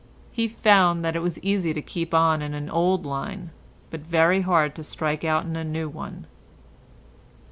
He found that it was easy to keep on in an old line, but very hard to strike out into a new one.